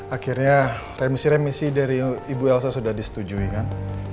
akhirnya remisi remisi dari ibu elsa sudah disetujui kan